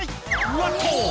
うわっと！」